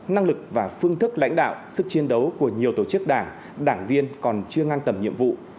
năng lực và phương thức lãnh đạo sức chiến đấu của nhiều tổ chức đảng đảng viên còn chưa ngang tầm nhiệm vụ